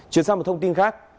chuyển sang một thông tin khác